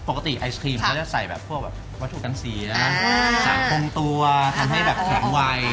ปกติไอศครีมเขาจะใส่พวกวัตถุกันสีสารคงตัวทำให้แบบแข็งไว